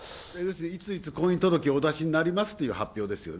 いついつ婚姻届をお出しになりますという発表ですよね。